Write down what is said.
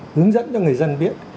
hướng dẫn cho người dân biết